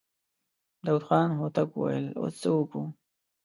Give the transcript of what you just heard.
داوود خان هوتک وويل: اوس څه وکو؟